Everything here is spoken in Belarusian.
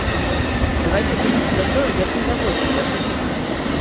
Давайце думаць пра тое, як не даводзіць да гэтага.